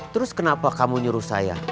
terus kenapa kamu nyuruh saya